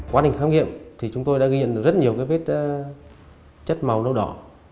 quá trình khám nghiệm thì chúng tôi đã ghi nhận rất nhiều vết chất màu nâu đỏ